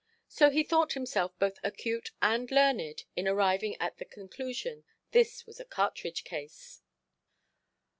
So he thought himself both acute and learned in arriving at the conclusion that this was a cartridge–case.